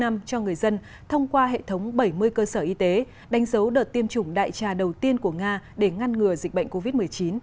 nga đã bắt đầu tiêm triển khai tiêm vaccine sputnik v cho người dân thông qua hệ thống bảy mươi cơ sở y tế đánh dấu đợt tiêm chủng đại trà đầu tiên của nga để ngăn ngừa dịch bệnh covid một mươi chín